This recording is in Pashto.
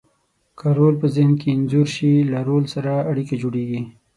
که رول په ذهن کې انځور شي، له رول سره اړیکه جوړیږي.